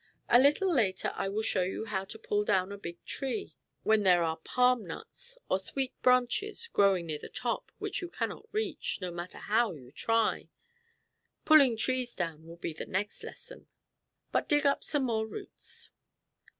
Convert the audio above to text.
A little later I will show you how to pull down a big tree, when there are palm nuts, or sweet branches, growing near the top, which you cannot reach, no matter how you try. Pulling trees down will be the next lesson. But dig up some more roots."